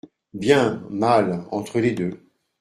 Bien, mal, entre les deux.